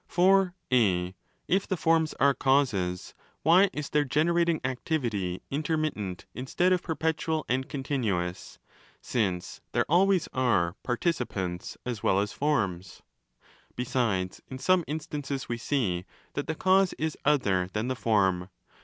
For (a) if the Forms are causes, why is their generating activity inter mittent instead of perpetual and continuous—since there always are Participants as well as Forms? Besides, in some instances we see that the cause is other than the Form.